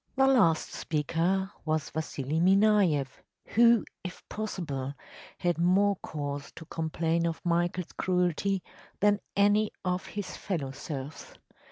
‚ÄĚ The last speaker was Vasili Minayeff, who, if possible, had more cause to complain of Michael’s cruelty than any of his fellow serfs.